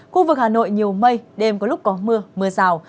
khu vực hà nội nhiều mây đêm có lúc có mưa mưa rào